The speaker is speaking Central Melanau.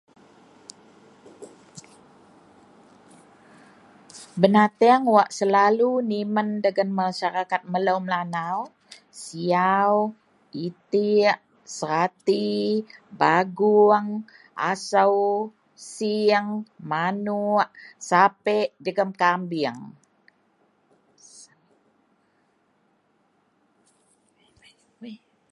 Benateang wak selalu nimen dagen maseraket melou Melanau, siyau, itiek serati, baguong, asou, sieng, manuok, sapeklah jegem kabieng.